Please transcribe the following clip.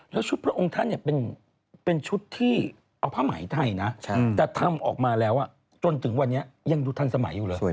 แล้วชุดพระองค์ทันเนี่ยเป็นชุดที่เอาพระมายไทยนะ